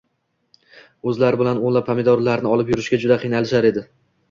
O‘zlari bilan o‘nlab pomidorlarni olib yurishga juda qiynalishar edi